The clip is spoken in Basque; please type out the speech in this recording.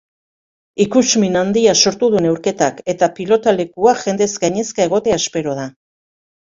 Ikusmin handia sortu du neurketak eta pilotalekua jendez gainezka egotea espero da.